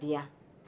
di rumah ini